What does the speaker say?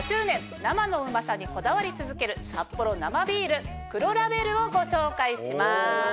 生のうまさにこだわり続ける「サッポロ生ビール黒ラベル」をご紹介します。